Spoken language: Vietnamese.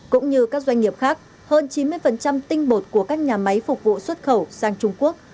cũng như các doanh nghiệp khác hơn chín mươi tinh bột của các nhà máy phục vụ xuất khẩu sang trung quốc